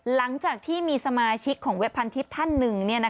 หลังจากที่มีสมาชิกของเว็บพันทิพย์ท่านหนึ่ง